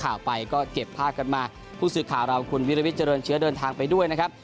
ข่าวไปก็เก็บภาพกันมาผู้สื่อข่าวเราคุณวิรวิทยเจริญเชื้อเดินทางไปด้วยนะครับ